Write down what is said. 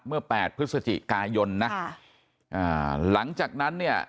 เมื่อแปดพฤษจิกายนนะอ่าหลังจากนั้นเนี่ย